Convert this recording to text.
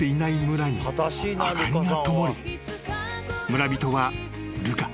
［村人はルカ。